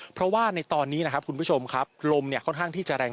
เพราะว่าในตอนนี้นะครับคุณผู้ชมครับลมค่อนข้างที่จะแรง